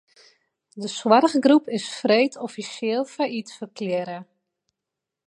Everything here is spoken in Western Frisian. De soarchgroep is freed offisjeel fallyt ferklearre.